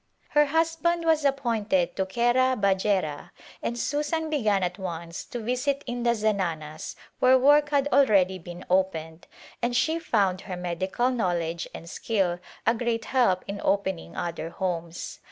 Her husband was appointed to Khera Bajhera and Susan began at once to visit in the zananas where work had already been opened, and she found her medical knowledge and skill a great help in opening other homes.